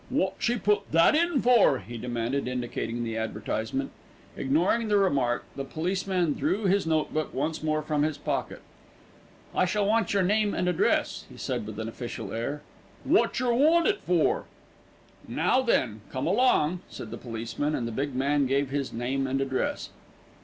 "Wot she put that in for?" he demanded, indicating the advertisement. Ignoring the remark, the policeman drew his notebook once more from his pocket. "I shall want your name and address," he said with an official air. "Wotjer want it for?" "Now, then, come along," said the policeman, and the big man gave his name and address.